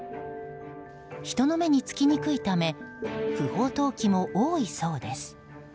人の目につきにくいため不法投棄も多いそうです。